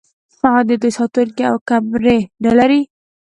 آیا دوی ساتونکي او کمرې نلري؟